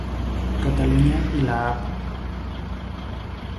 Cataluña y la Av.